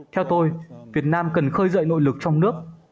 theo tôi việt nam cần khơi dậy nội lực trong nước